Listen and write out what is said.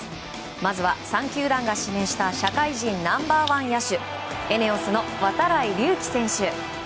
まずは、３球団が指名した社会人ナンバー１野手ＥＮＥＯＳの度会隆輝選手。